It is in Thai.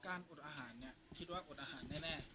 การอดอาหารคิดว่าอดอาหารแน่